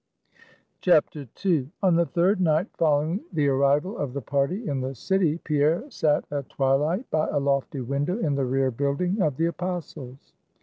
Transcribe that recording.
II. On the third night following the arrival of the party in the city, Pierre sat at twilight by a lofty window in the rear building of the Apostles'.